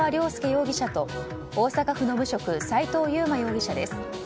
容疑者と大阪府の無職斎藤悠真容疑者です。